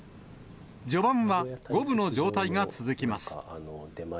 序盤は五分の状態が続きます。